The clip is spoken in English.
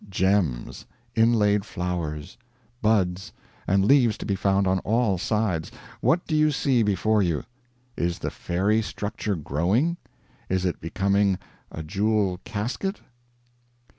Gems, inlaid flowers, buds, and leaves to be found on all sides. What do you see before you? Is the fairy structure growing? Is it becoming a jewel casket?